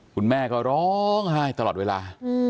คุณแม่ก็ร้องไห้ตลอดเวลา